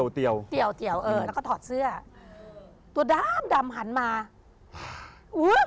ตัวเดี่ยวแล้วก็ถอดเสื้อตัวดำหันมาอุ๊ย